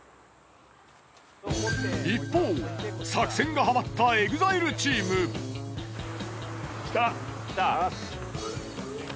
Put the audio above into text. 一方作戦がハマったＥＸＩＬＥチーム。来た。来た？